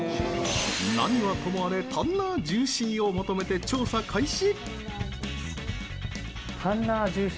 何はともあれタンナージューシーを求めて調査開始！